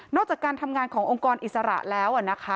จากการทำงานขององค์กรอิสระแล้วนะคะ